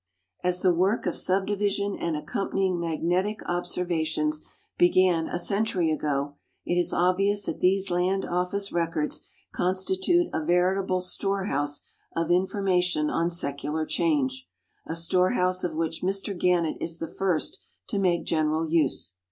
As the work of subdivision and accompanying magnetic observations began a century ago, it is obvious that these Land Ullice records cnsti ture a veritable storehouse of information on secular change— a storehouse of which Mr Gannett is the first to make general use.